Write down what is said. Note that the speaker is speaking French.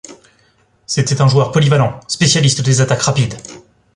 C'était un joueur polyvalent spécialiste des attaques rapides.